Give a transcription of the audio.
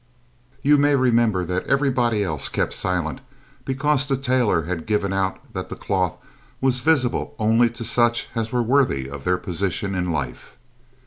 You may remember that everybody else kept silent because the tailor had given out that the cloth was visible only to such as were worthy of their position in life.